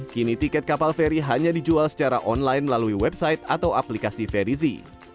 kini tiket kapal feri hanya dijual secara online melalui website atau aplikasi ferizi